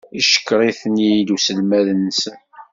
Yeckeṛ-iten-id uselmad-nsen.